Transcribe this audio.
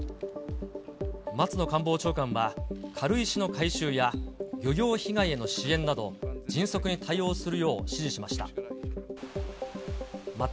松野官房長官は、軽石の回収や漁業被害への支援など、迅速に対応するよう指示しました。